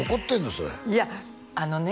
それいやあのね